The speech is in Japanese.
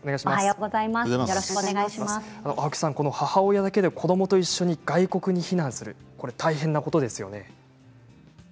母親だけで子どもと一緒に外国に避難する大変なことですよね。